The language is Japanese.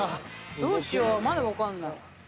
どうしようまだわかんない。